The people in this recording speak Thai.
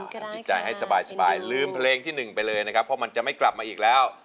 ทำจิตใจให้สบายลืมเพลงที่๑ไปเลยนะครับเพราะมันจะไม่กลับมาอีกแล้ว